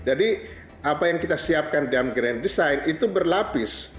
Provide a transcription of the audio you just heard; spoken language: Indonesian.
jadi apa yang kita siapkan dalam grand design itu berlapis